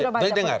oh kita sudah baca